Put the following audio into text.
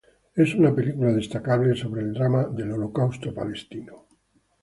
Es una película destacable sobre el drama del holocausto.